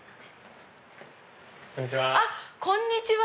こんにちは。